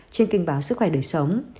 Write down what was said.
trên kênh báo sức khỏe đời sống